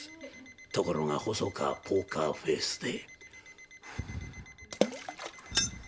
ところが細川ポーカーフェースで「フッフッ」。